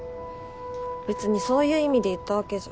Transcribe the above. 別にそういう意味で言った訳じゃ。